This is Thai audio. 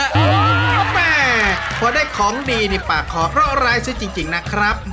อ้าวแม่พอได้ของดีนี่ปากขอเพราะอะไรซะจริงนะครับ